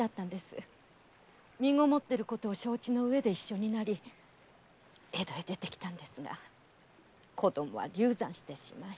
身ごもっていることを承知のうえで一緒になり江戸へ出てきたんですが子供は流産してしまい。